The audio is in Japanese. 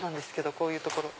こういうところ。